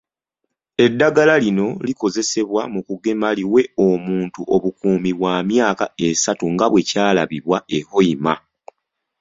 Eddagala lino Likozesebwa mu kugema liwe omuntu obukuumi bwa myaka esatu nga bwe kyalabibwa e Hoima.